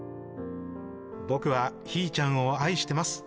「僕はヒーちゃんを愛してます」